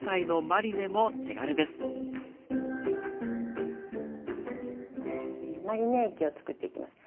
マリネ液をつくっていきます。